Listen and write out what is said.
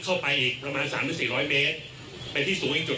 เข้าไปอีกประมาณสามถึงสี่ร้อยเมตรเป็นที่สูงอีกจุด